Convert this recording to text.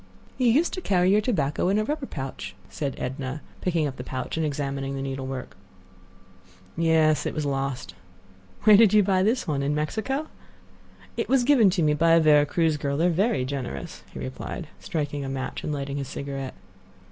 "You used to carry your tobacco in a rubber pouch," said Edna, picking up the pouch and examining the needlework. "Yes; it was lost." "Where did you buy this one? In Mexico?" "It was given to me by a Vera Cruz girl; they are very generous," he replied, striking a match and lighting his cigarette.